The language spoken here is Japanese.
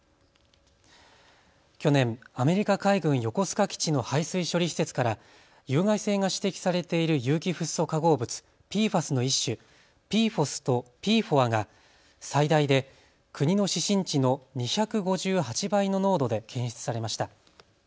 去年、アメリカ海軍横須賀基地の排水処理施設から有害性が指摘されている有機フッ素化合物・ＰＦＡＳの一種、ＰＦＯＳとＰＦＯＡが最大で国の指針値の２５８倍の濃度で検出されました。